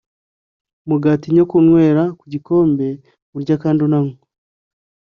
mugati no kunywera ku gikombe Urya kandi akanywa